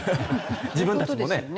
自分たちもね。